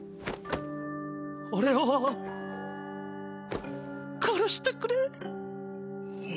俺を殺してくれ。